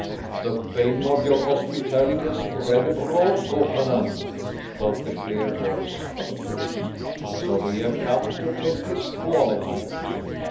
"The fame of your hospitality has spread abroad, Buchanan," spoke the clear voice of the king, "so we have come to test its quality."